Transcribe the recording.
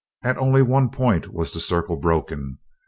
At only one point was the circle broken.